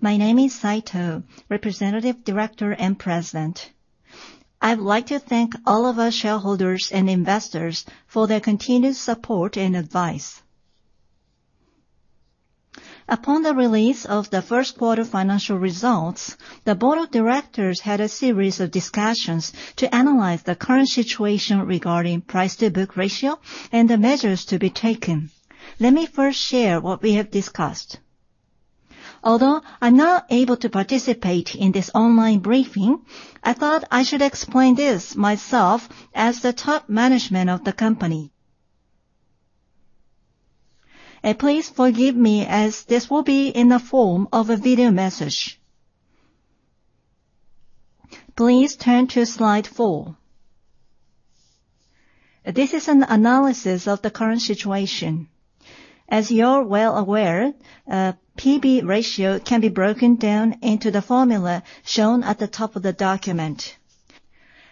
My name is Saito, Representative Director and President. I would like to thank all of our shareholders and investors for their continued support and advice. Upon the release of the first quarter financial results, the board of directors had a series of discussions to analyze the current situation regarding Price-to-book ratio and the measures to be taken. Let me first share what we have discussed. Although I'm not able to participate in this online briefing, I thought I should explain this myself as the top management of the company. Please forgive me, as this will be in the form of a video message. Please turn to slide 4. This is an analysis of the current situation. As you're well aware, a P/B ratio can be broken down into the formula shown at the top of the document.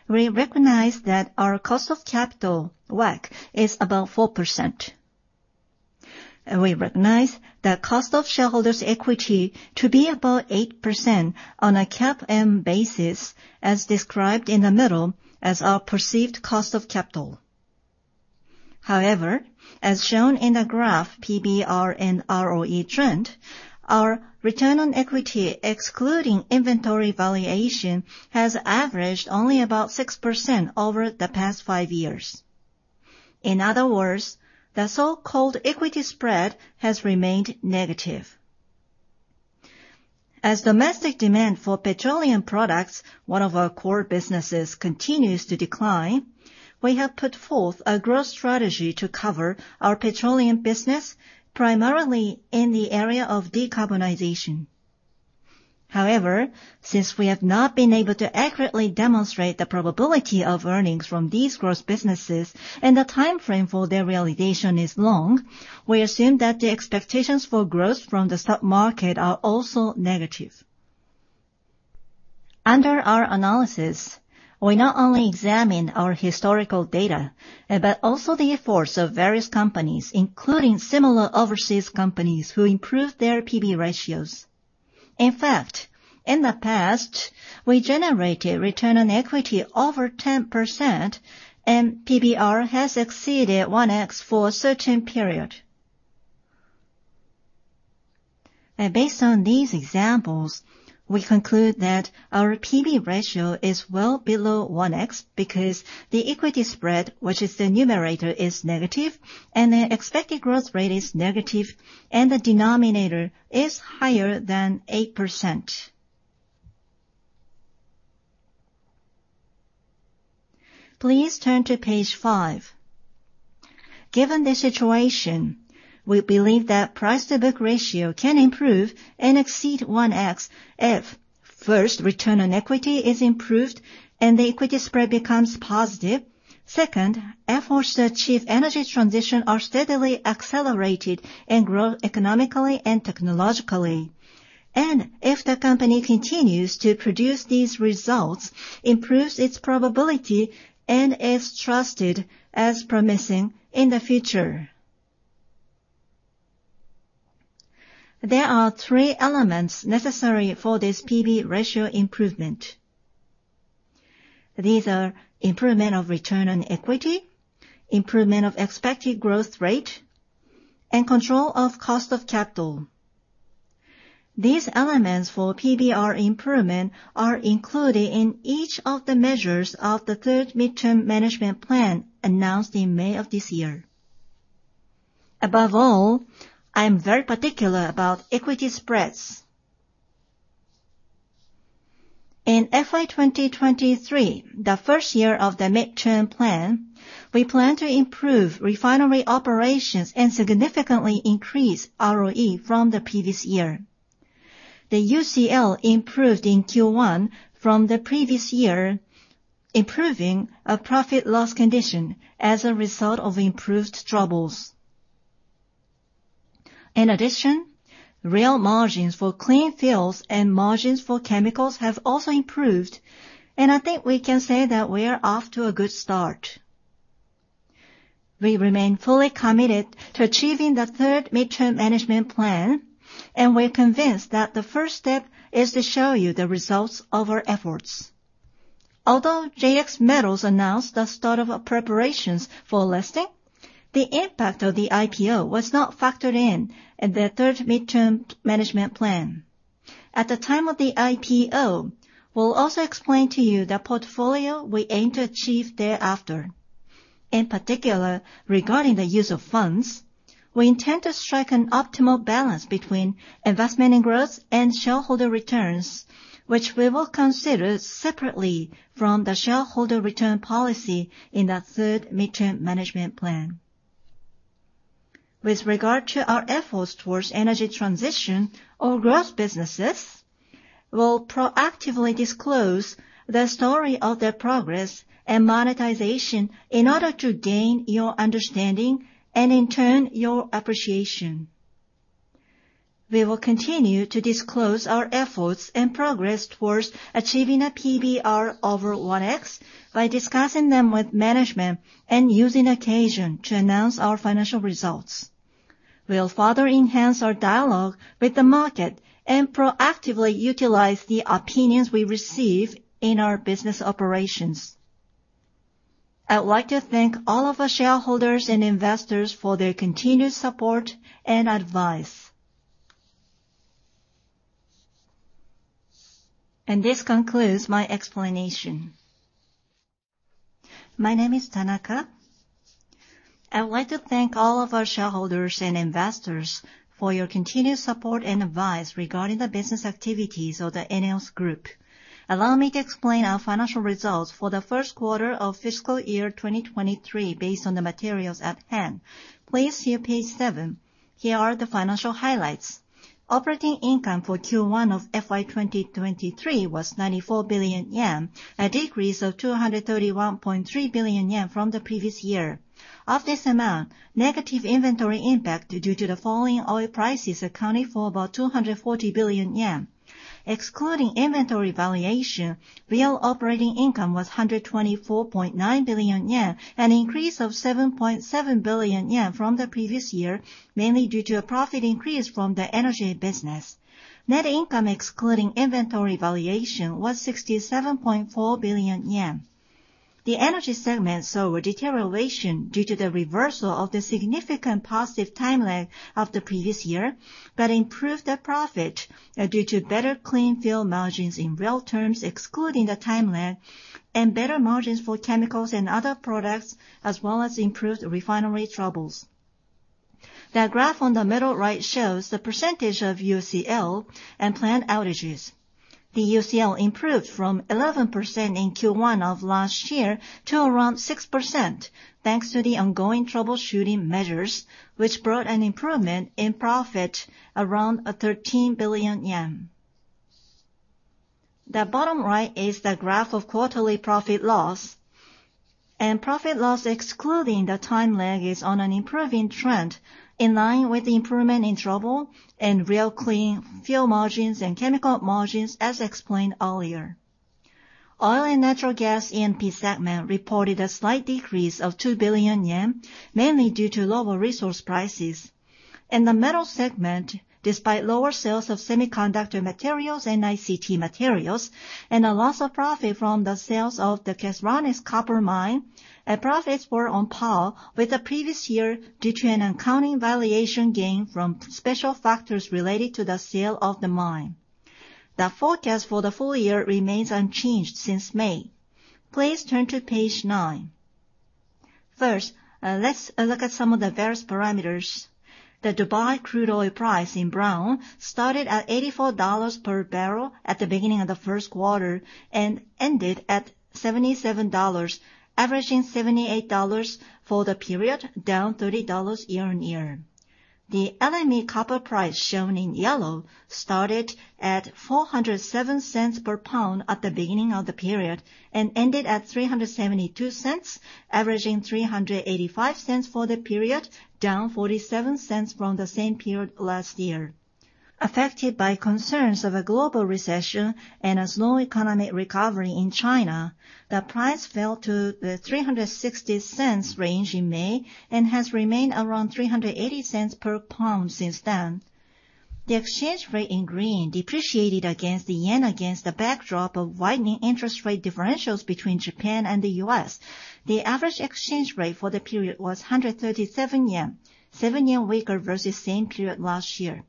We recognize that our cost of capital, WACC, is about 4%, and we recognize the cost of shareholders' equity to be about 8% on a CAPM basis, as described in the middle as our perceived cost of capital. However, as shown in the graph, PBR and ROE trend, our return on equity, excluding inventory valuation, has averaged only about 6% over the past 5 years. In other words, the so-called equity spread has remained negative. As domestic demand for petroleum products, one of our core businesses, continues to decline, we have put forth a growth strategy to cover our petroleum business, primarily in the area of decarbonization. However, since we have not been able to accurately demonstrate the probability of earnings from these growth businesses and the timeframe for their realization is long, we assume that the expectations for growth from the stock market are also negative. Under our analysis, we not only examine our historical data, but also the efforts of various companies, including similar overseas companies, who improved their P/B ratios. In fact, in the past, we generated return on equity over 10%, and PBR has exceeded 1x for a certain period. Based on these examples, we conclude that our P/B ratio is well below 1x, because the equity spread, which is the numerator, is negative, and the expected growth rate is negative, and the denominator is higher than 8%. Please turn to page five. Given the situation, we believe that price-to-book ratio can improve and exceed 1x if, first, return on equity is improved and the equity spread becomes positive. Second, efforts to achieve energy transition are steadily accelerated and grow economically and technologically, and if the company continues to produce these results, improves its probability, and is trusted as promising in the future. There are three elements necessary for this P/B ratio improvement. These are improvement of return on equity, improvement of expected growth rate, and control of cost of capital. These elements for PBR improvement are included in each of the measures of the third midterm management plan announced in May of this year. Above all, I'm very particular about equity spreads. In FY 2023, the first year of the midterm plan, we plan to improve refinery operations and significantly increase ROE from the previous year. The UCL improved in Q1 from the previous year, improving a profit-loss condition as a result of improved troubles. In addition, real margins for clean fuels and margins for chemicals have also improved, and I think we can say that we are off to a good start. We remain fully committed to achieving the third midterm management plan, and we're convinced that the first step is to show you the results of our efforts. Although JX Metals announced the start of our preparations for listing, the impact of the IPO was not factored in in the third midterm management plan. At the time of the IPO, we'll also explain to you the portfolio we aim to achieve thereafter. In particular, regarding the use of funds, we intend to strike an optimal balance between investment in growth and shareholder returns, which we will consider separately from the shareholder return policy in the third midterm management plan. With regard to our efforts towards energy transition or growth businesses, we'll proactively disclose the story of their progress and monetization in order to gain your understanding and, in turn, your appreciation. We will continue to disclose our efforts and progress towards achieving a PBR over 1x by discussing them with management and using occasion to announce our financial results. We'll further enhance our dialogue with the market and proactively utilize the opinions we receive in our business operations. I'd like to thank all of our shareholders and investors for their continued support and advice. This concludes my explanation. My name is Tanaka. I'd like to thank all of our shareholders and investors for your continued support and advice regarding the business activities of the ENEOS Group. Allow me to explain our financial results for the first quarter of fiscal year 2023, based on the materials at hand. Please see page 7. Here are the financial highlights. Operating income for Q1 of FY 2023 was 94 billion yen, a decrease of 231.3 billion yen from the previous year. Of this amount, negative inventory impact due to the falling oil prices accounted for about 240 billion yen. Excluding inventory valuation, real operating income was 124.9 billion yen, an increase of 7.7 billion yen from the previous year, mainly due to a profit increase from the energy business. Net income, excluding inventory valuation, was 67.4 billion yen. The energy segment saw a deterioration due to the reversal of the significant positive time lag of the previous year, but improved the profit due to better clean fuel margins in real terms, excluding the time lag, and better margins for chemicals and other products, as well as improved refinery troubles. The graph on the middle right shows the percentage of UCL and plant outages. The UCL improved from 11% in Q1 of last year to around 6%, thanks to the ongoing troubleshooting measures, which brought an improvement in profit around 13 billion yen. The bottom right is the graph of quarterly profit loss, and profit loss, excluding the time lag, is on an improving trend, in line with the improvement in trouble and real clean fuel margins and chemical margins, as explained earlier. Oil and natural gas E&P segment reported a slight decrease of 2 billion yen, mainly due to lower resource prices. In the metal segment, despite lower sales of semiconductor materials and ICT materials, and a loss of profit from the sales of the Caserones copper mine, profits were on par with the previous year due to an accounting valuation gain from special factors related to the sale of the mine. The forecast for the full year remains unchanged since May. Please turn to page 9. First, let's look at some of the various parameters. The Dubai crude oil price, in brown, started at $84 per barrel at the beginning of the first quarter and ended at $77, averaging $78 for the period, down $30 year-on-year. The LME copper price, shown in yellow, started at $4.07 per pound at the beginning of the period and ended at $3.72, averaging $3.85 for the period, down $0.47 from the same period last year. Affected by concerns of a global recession and a slow economic recovery in China, the price fell to the $3.60 range in May and has remained around $3.80 per pound since then. The exchange rate, in green, depreciated against the yen against the backdrop of widening interest rate differentials between Japan and the US. The average exchange rate for the period was 137 yen, 7 yen weaker versus same period last year.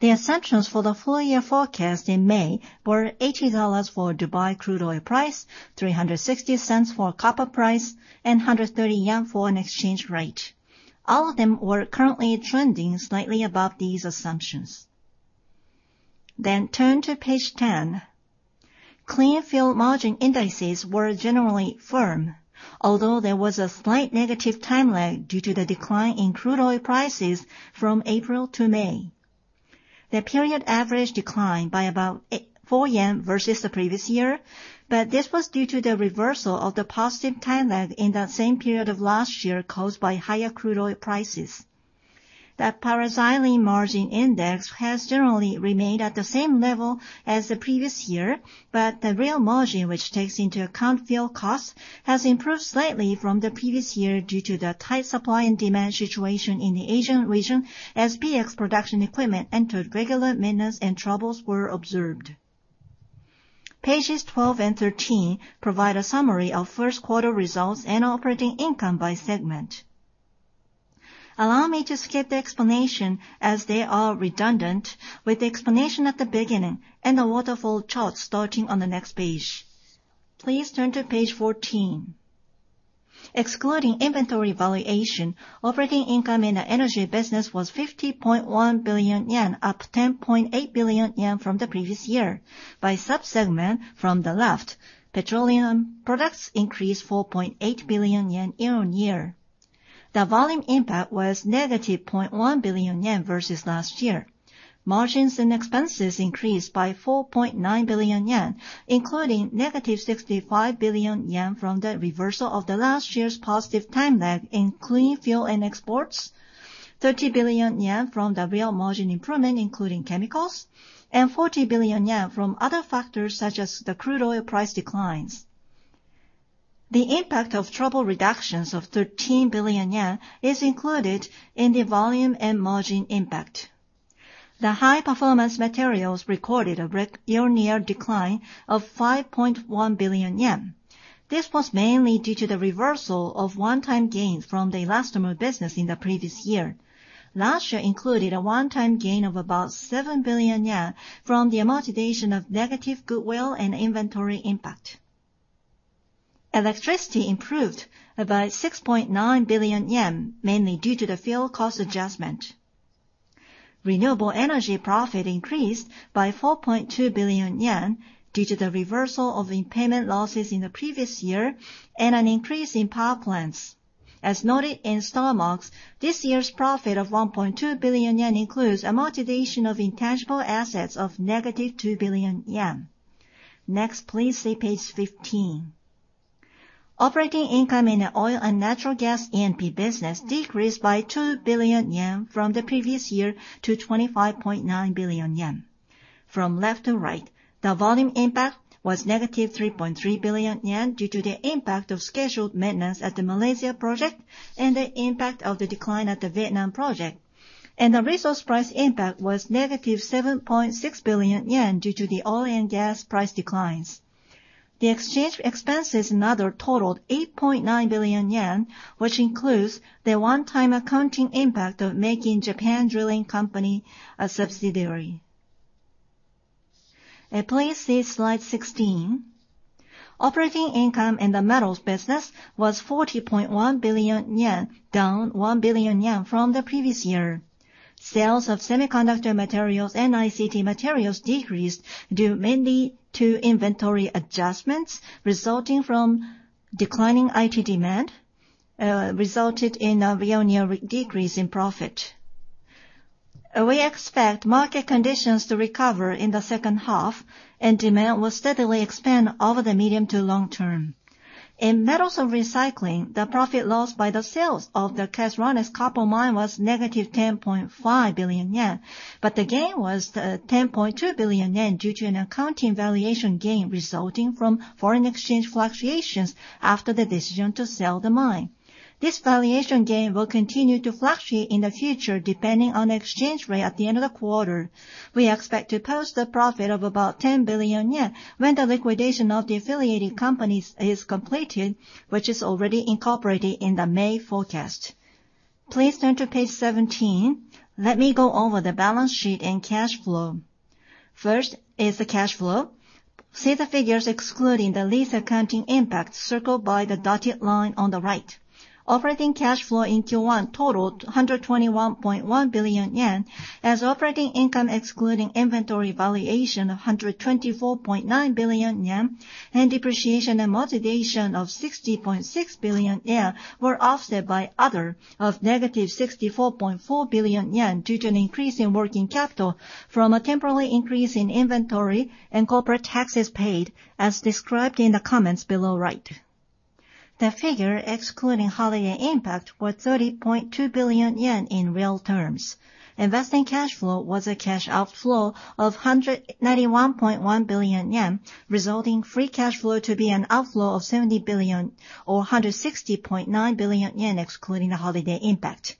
The assumptions for the full year forecast in May were $80 for Dubai crude oil price, $3.60 for copper price, and 130 yen for an exchange rate. All of them were currently trending slightly above these assumptions. Turn to page 10. clean fuel margin indices were generally firm, although there was a slight negative time lag due to the decline in crude oil prices from April to May. The period average declined by about 84 yen versus the previous year, but this was due to the reversal of the positive time lag in the same period of last year, caused by higher crude oil prices. The paraxylene margin index has generally remained at the same level as the previous year, but the real margin, which takes into account fuel costs, has improved slightly from the previous year due to the tight supply and demand situation in the Asian region, as PX production equipment entered regular maintenance and troubles were observed. Pages 12 and 13 provide a summary of first quarter results and operating income by segment. Allow me to skip the explanation, as they are redundant with the explanation at the beginning and the waterfall chart starting on the next page. Please turn to page 14. Excluding inventory valuation, operating income in the energy business was 50.1 billion yen, up 10.8 billion yen from the previous year. By sub-segment, from the left, petroleum products increased 4.8 billion yen year-on-year. The volume impact was negative 0.1 billion yen versus last year. Margins and expenses increased by 4.9 billion yen, including negative 65 billion yen from the reversal of the last year's positive time lag in clean fuel and exports, 30 billion yen from the real margin improvement, including chemicals, and 40 billion yen from other factors, such as the crude oil price declines. The impact of trouble reductions of 13 billion yen is included in the volume and margin impact. The high performance materials recorded a year-on-year decline of 5.1 billion yen. This was mainly due to the reversal of one-time gains from the elastomer business in the previous year. Last year included a one-time gain of about 7 billion yen from the amortization of negative goodwill and inventory impact. Electricity improved by 6.9 billion yen, mainly due to the fuel cost adjustment. Renewable energy profit increased by 4.2 billion yen, due to the reversal of the payment losses in the previous year and an increase in power plants. As noted in, this year's profit of 1.2 billion yen includes amortization of intangible assets of negative 2 billion yen. Next, please see page 15. Operating income in the oil and natural gas E&P business decreased by 2 billion yen from the previous year to 25.9 billion yen. From left to right, the volume impact was negative 3.3 billion yen, due to the impact of scheduled maintenance at the Malaysia project and the impact of the decline at the Vietnam project, and the resource price impact was negative 7.6 billion yen, due to the oil and gas price declines. The exchange expenses now totaled 8.9 billion yen, which includes the one-time accounting impact of making Japan Drilling Company a subsidiary. Please see slide 16. Operating income in the metals business was 40.1 billion yen, down 1 billion yen from the previous year. Sales of semiconductor materials and ICT materials decreased due mainly to inventory adjustments, resulting from declining IT demand, resulted in a year-on-year decrease in profit. We expect market conditions to recover in the second half, and demand will steadily expand over the medium to long term. In metals and recycling, the profit lost by the sales of the Caserones copper mine was negative 10.5 billion yen, but the gain was 10.2 billion yen, due to an accounting valuation gain resulting from foreign exchange fluctuations after the decision to sell the mine. This valuation gain will continue to fluctuate in the future, depending on the exchange rate at the end of the quarter. We expect to post a profit of about 10 billion yen when the liquidation of the affiliated companies is completed, which is already incorporated in the May forecast. Please turn to page 17. Let me go over the balance sheet and cash flow. First is the cash flow. See the figures excluding the lease accounting impact circled by the dotted line on the right. Operating cash flow in Q1 totaled 121.1 billion yen, as operating income, excluding inventory valuation of 124.9 billion yen, and depreciation and amortization of 60.6 billion yen, were offset by other, of negative 64.4 billion yen, due to an increase in working capital from a temporary increase in inventory and corporate taxes paid, as described in the comments below right. The figure excluding holiday impact was 30.2 billion yen in real terms. Investing cash flow was a cash outflow of 191.1 billion yen, resulting free cash flow to be an outflow of 70 billion or 160.9 billion yen, excluding the holiday impact.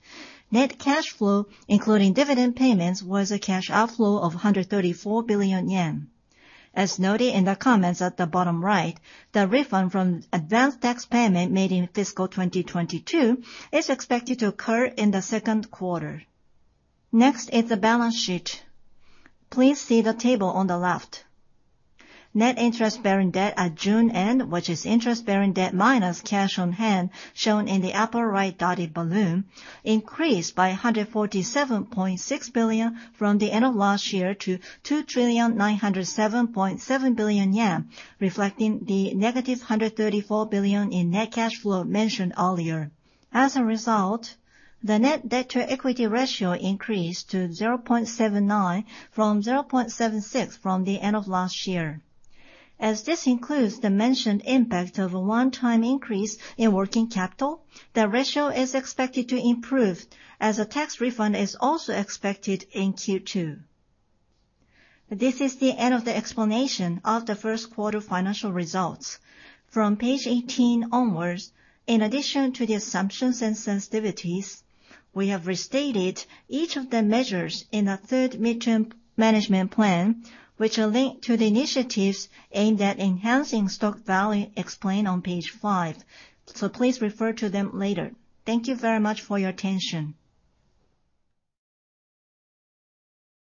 Net cash flow, including dividend payments, was a cash outflow of 134 billion yen. As noted in the comments at the bottom right, the refund from advanced tax payment made in fiscal 2022 is expected to occur in the second quarter. Next is the balance sheet. Please see the table on the left. Net interest-bearing debt at June end, which is interest-bearing debt minus cash on hand, shown in the upper right dotted balloon, increased by 147.6 billion from the end of last year to 2,907.7 billion yen, reflecting the negative 134 billion in net cash flow mentioned earlier. As a result, the net debt to equity ratio increased to 0.79 from 0.76 from the end of last year. As this includes the mentioned impact of a one-time increase in working capital, the ratio is expected to improve, as a tax refund is also expected in Q2. This is the end of the explanation of the first quarter financial results. From page 18 onwards, in addition to the assumptions and sensitivities, we have restated each of the measures in the third midterm management plan, which are linked to the initiatives aimed at enhancing stock value explained on page five, so please refer to them later. Thank you very much for your attention.